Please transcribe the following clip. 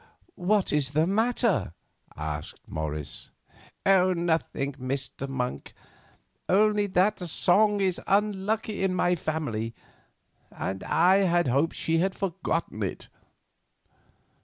"What is the matter?" asked Morris. "Nothing, Mr. Monk; only that song is unlucky in my family, and I hoped that she had forgotten it."